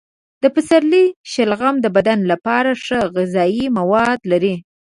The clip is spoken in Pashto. د پسرلي شلغم د بدن لپاره ښه غذايي مواد لري.